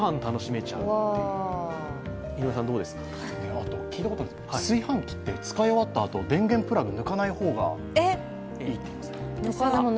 あと、聞いたことあるんですけど炊飯器って使い終わったあと、電源プラグ抜かない方がいいって。